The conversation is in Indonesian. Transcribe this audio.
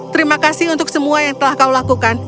terima kasih untuk semua yang telah kau lakukan